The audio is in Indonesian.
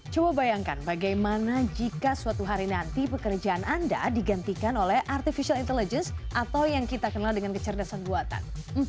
coba bayangkan bagaimana jika suatu hari nanti pekerjaan anda digantikan oleh artificial intelligence atau yang kita kenal dengan kecerdasan buatan